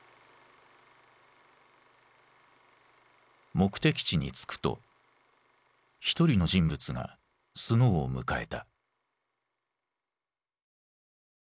目的地に着くと一人の人物がスノーを迎えた。